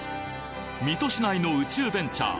水戸市内の宇宙ベンチャー